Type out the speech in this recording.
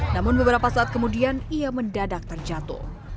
namun beberapa saat kemudian ia mendadak terjatuh